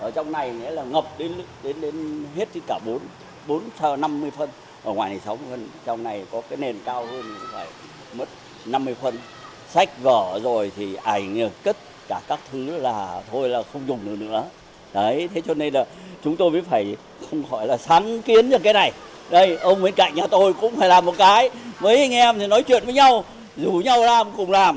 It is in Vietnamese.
đây ông bên cạnh nhà tôi cũng phải làm một cái mấy anh em nói chuyện với nhau rủ nhau ra cùng làm